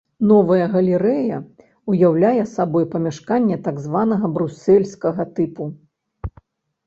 Новая галерэя ўяўляе сабой памяшканне так званага брусельскага тыпу.